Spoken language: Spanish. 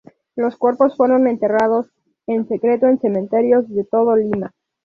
Los cuerpos fueron enterrados en secreto en cementerios de todo Lima.